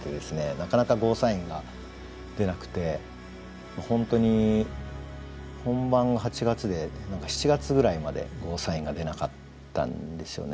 なかなかゴーサインが出なくて本当に本番８月で何か７月ぐらいまでゴーサインが出なかったんですよね。